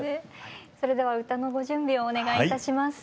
それでは歌のご準備をお願いいたします。